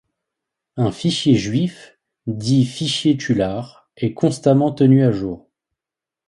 Un fichier juif, dit fichier Tulard, est constamment tenu à jour.